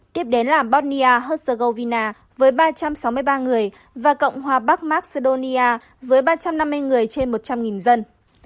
tiếp đến là bonnia hostegovina với ba trăm sáu mươi ba người và cộng hòa bắc macedonia với ba trăm năm mươi người trên một trăm linh dân